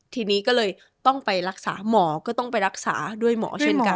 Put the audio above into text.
ทีนี้ก็เลยต้องไปรักษาหมอก็ต้องไปรักษาด้วยหมอเช่นกัน